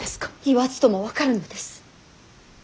言わずとも分かるのです。